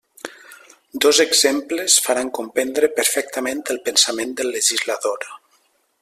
Dos exemples faran comprendre perfectament el pensament del legislador.